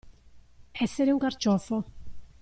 Essere un carciofo.